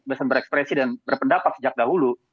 kebebasan berekspresi dan berpendapat sejak dahulu